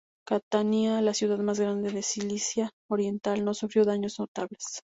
Catania, la ciudad más grande de Sicilia oriental, no sufrió daños notables.